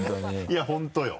いや本当よ。